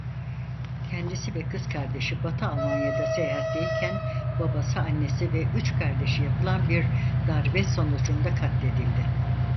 Kendisi ve kız kardeşi Batı Almanya'da seyahatteyken babası annesi ve üç kardeşi yapılan bir darbe sonucunda katledildi.